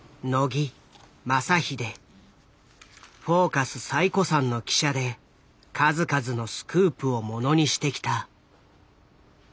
「フォーカス」最古参の記者で数々のスクープを物にしてきた。